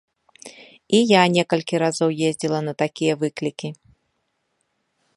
І я некалькі разоў ездзіла на такія выклікі.